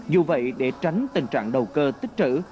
dù vậy để tránh tình trạng đầu cơ tích trữ